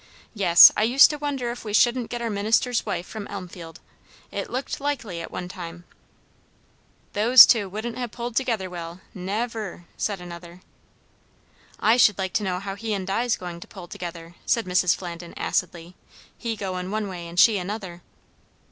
"Yes, I used to wonder if we shouldn't get our minister's wife from Elmfield. It looked likely at one time." "Those two wouldn't ha' pulled well together, ne ver," said another. "I should like to know how he and Di's goin' to pull together?" said Mrs. Flandin acidly. "He goin' one way, and she another."